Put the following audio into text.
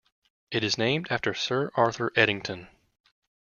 It is named after Sir Arthur Eddington.